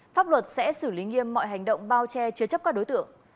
pháp luật sẽ xử lý nghiêm mọi hành động bao che chứa chấp các đối tượng